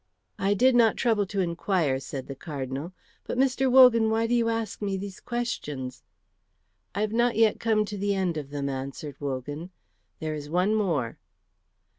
"I did not trouble to inquire," said the Cardinal. "But, Mr. Wogan, why do you ask me these questions?" "I have not come yet to the end of them," answered Wogan. "There is one more."